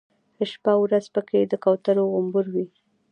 شپه او ورځ په کې د کوترو غومبر وي.